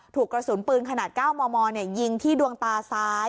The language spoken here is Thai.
ถูกกระสุนปืนขนาด๙มมยิงที่ดวงตาซ้าย